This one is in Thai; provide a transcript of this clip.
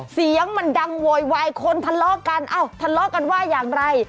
เสียงมันดังโวยวายคนทะเลาะกันเอ้าทะเลาะกันว่าอย่างไร